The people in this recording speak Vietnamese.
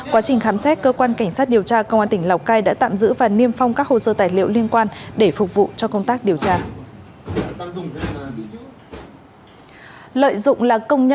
quá trình khám xét cơ quan cảnh sát điều tra công an tỉnh lào cai đã tạm giữ và niêm phong các hồ sơ tài liệu liên quan để phục vụ cho công tác điều tra